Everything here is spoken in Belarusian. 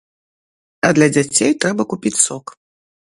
А для дзяцей трэба купіць сок.